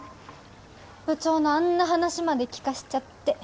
部長のあんな話まで聞かせちゃって。